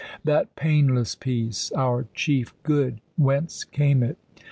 That painless peace our chief good whence came it?